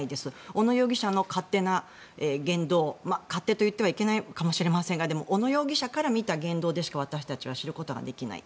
小野容疑者の勝手な言動勝手と言ってはいけないかもしれませんがでも、小野容疑者から見た言動でしか私たちは知ることができない。